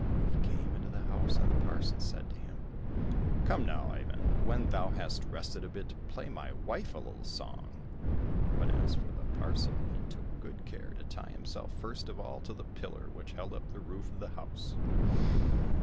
He came into the house, and the parson said to him, " Come now, Ivan, when thou hast rested a bit, play my wife a little song !" But as for the parson, he took good care to tie himself first of all to the pillar which held up the roof of the house.